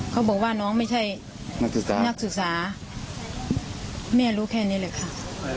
เขาบอกว่าน้องไม่ใช่นักศุษาแม่รู้แค่นี้เลยค่ะ